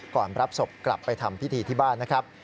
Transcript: รับศพกลับไปทำพิธีที่บ้านนะครับ